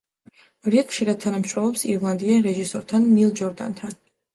რი ხშირად თანამშრომლობს ირლანდიელ რეჟისორთან ნილ ჯორდანთან.